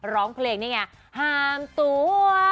ร้องเพลงนี่ไงห้ามตัว